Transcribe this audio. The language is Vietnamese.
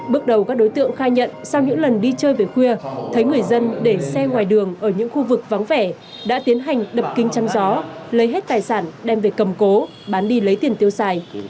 bước đầu các đối tượng khai nhận sau những lần đi chơi về khuya thấy người dân để xe ngoài đường ở những khu vực vắng vẻ đã tiến hành đập kinh trăm gió lấy hết tài sản đem về cầm cố bán đi lấy tiền tiêu xài